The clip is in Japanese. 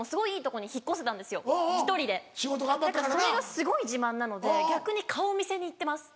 それがすごい自慢なので逆に顔見せに行ってます。